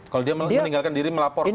kalau dia meninggalkan diri melaporkan